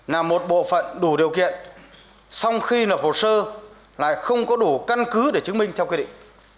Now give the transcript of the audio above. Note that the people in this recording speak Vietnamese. là một bộ phận đủ điều kiện sau khi lập hồ sơ lại không có đủ căn cứ để chứng minh theo quy định